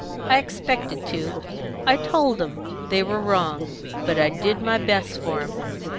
I expected to. I told 'em they were wrong, but I did my best for 'em.